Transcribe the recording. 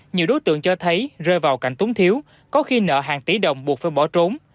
nhiều đối tượng cho thấy rơi vào cảnh túng thiếu có khi nợ hàng tỷ đồng buộc phải bỏ trốn